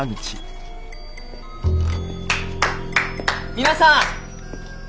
皆さん！